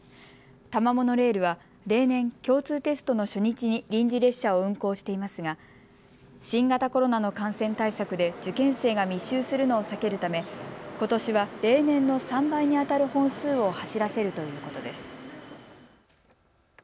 多摩モノレールは例年、共通テストの初日に臨時列車を運行していますが新型コロナの感染対策で受験生が密集するのを避けるためことしは例年の３倍にあたる本数を走らせるということです。